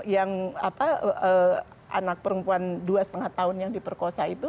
yang anak perempuan dua lima tahun yang diperkosa itu